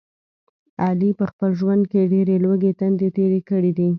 علي په خپل ژوند کې ډېرې لوږې تندې تېرې کړي دي.